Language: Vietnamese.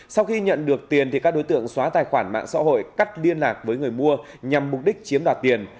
sau khi nhận được tiền các đối tượng xóa tài khoản mạng xã hội cắt liên lạc với người mua nhằm mục đích chiếm đoạt tiền